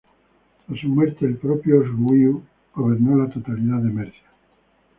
Tras su muerte el propio Oswiu gobernó la totalidad de Mercia.